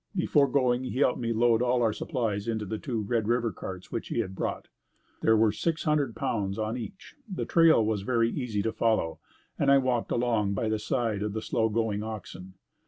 Before going he helped me load all our supplies into the two Red River carts which he had brought. There were six hundred pounds on each. The trail was very easy to follow and I walked along by the side of the slow going oxen.